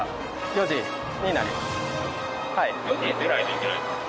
４時に出ないといけないんですか？